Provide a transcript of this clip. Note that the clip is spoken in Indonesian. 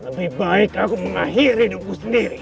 lebih baik aku mengakhiri hidupku sendiri